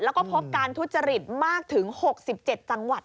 แล้วก็พบการทุจริตมากถึง๖๗จังหวัด